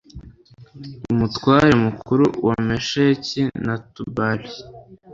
umutware mukuru wa mesheki na tubali